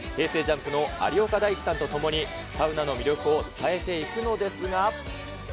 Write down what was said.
ＪＵＭＰの有岡大貴さんと共に、サウナの魅力を伝えていくのです